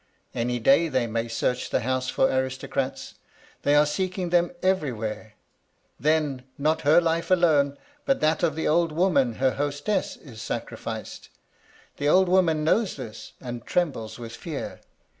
Any day they may search the house for aristocrats. They are seeking them every where. Then, not her life alone, but that of the old woman, her hostess, is sacrificed. The old woman knows this, and trembles with fear.